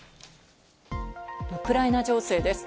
ウクライナ情勢です。